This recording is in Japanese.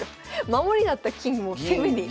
守りだった金も攻めに。